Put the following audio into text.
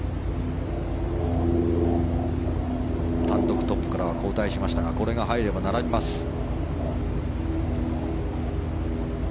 単独トップからは後退しましたがこれが入れば並びます。